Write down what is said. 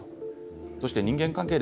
そして人間関係。